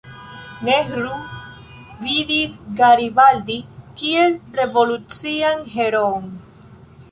Nehru vidis Garibaldi kiel revolucian heroon.